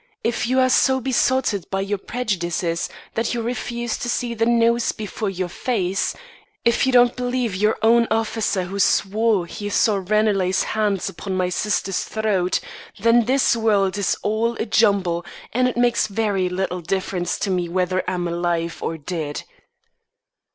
If you are so besotted by your prejudices that you refuse to see the nose before your face; if you don't believe your own officer who swore he saw Ranelagh's hands upon my sister's throat, then this world is all a jumble and it makes very little difference to me whether I'm alive or dead."